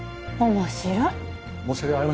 面白い。